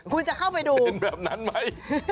คุณจะเข้าไปดูเป็นแบบนั้นไหม